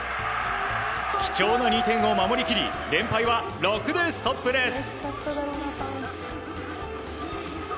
貴重な２点を守り切り連敗は６でストップです。